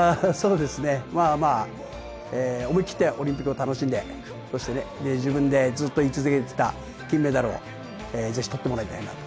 思い切ってオリンピックを楽しんでそして自分で言い続けていた金メダルをぜひ取ってもらいたいなと。